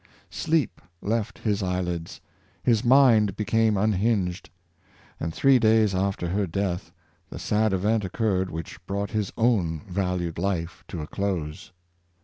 Sleep left his eyelids, his mind became unhinged, and three da3'S after her death the sad event occurred which brought his own valued life to a close.